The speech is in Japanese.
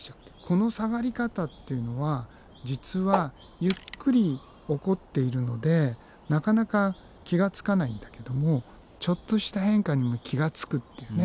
この下がり方っていうのは実はゆっくり起こっているのでなかなか気がつかないんだけどもちょっとした変化にも気がつくっていうね